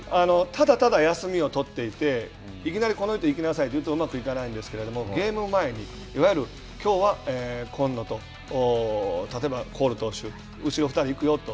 ただただ休みをとっていていきなりこの日行きなさいというとうまくいかないんですけどゲーム前にいわゆるきょうは今野と例えばコール投手後ろ２人行くよと。